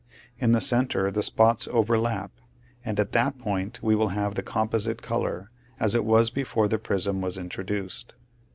In the center the spots overlap, and at that point we will have the composite color as it was before the prism was introduced.